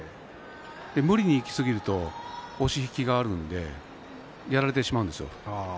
無理にいきすぎると押し引きがあるのでやられてしまうんですね。